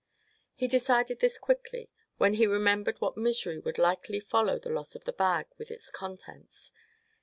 He decided this quickly, when he remembered what misery would likely follow the loss of the bag, with its contents.